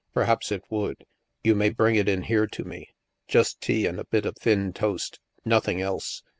Perhaps it would ; you may bring it in here to me. Just tea and a bit of thin toast. Nothing else.